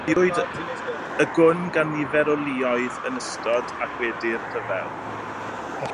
Defnyddiwyd y gwn gan nifer o luoedd yn ystod ac wedi'r rhyfel.